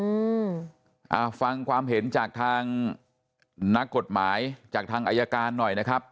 อืมอ่าฟังความเห็นจากทางนักกฎหมายจากทางอายการหน่อยนะครับ